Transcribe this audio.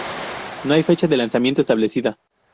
No hay fecha de lanzamiento establecida.